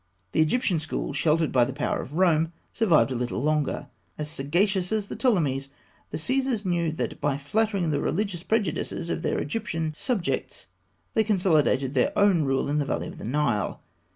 The Egyptian school, sheltered by the power of Rome, survived a little longer. As sagacious as the Ptolemies, the Caesars knew that by flattering the religious prejudices of their Egyptian subjects they consolidated their own rule in the valley of the Nile.